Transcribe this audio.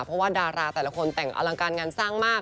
เพราะว่าดาราแต่ละคนแต่งอลังการงานสร้างมาก